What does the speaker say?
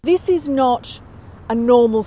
ini bukan situasi normal